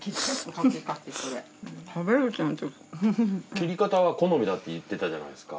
切り方は好みだって言ってたじゃないですか。